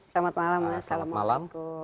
selamat malam assalamualaikum